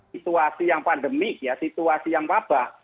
situasi yang pandemik ya situasi yang wabah